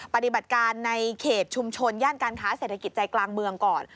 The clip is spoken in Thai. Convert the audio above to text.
ปฏิบัติการในเขตชุมชนย่านการค้าเศรษฐกิจใจกลางเมืองก่อน